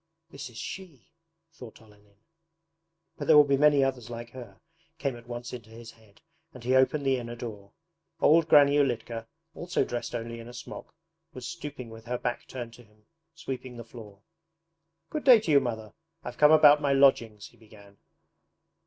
'This is SHE,' thought Olenin. 'But there will be many others like her' came at once into his head, and he opened the inner door. Old Granny Ulitka, also dressed only in a smock, was stooping with her back turned to him, sweeping the floor. 'Good day to you. Mother! I've come about my lodgings,' he began.